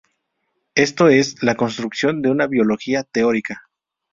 Esto es: la construcción de una biología teórica.